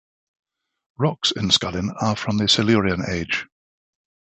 Rocks in Scullin are from the Silurian age.